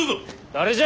誰じゃ！